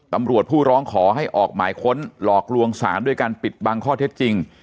ผู้ร้องขอให้ออกหมายค้นหลอกลวงศาลด้วยการปิดบังข้อเท็จจริง